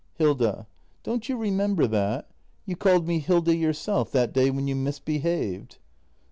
Hilda. Don't you remember that ? You called me Hilda yourself — that day when you misbehaved.